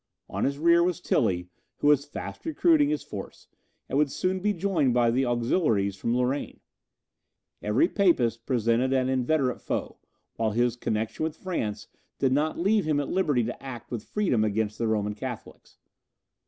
On his rear was Tilly, who was fast recruiting his force, and would soon be joined by the auxiliaries from Lorraine. Every Papist presented an inveterate foe, while his connexion with France did not leave him at liberty to act with freedom against the Roman Catholics.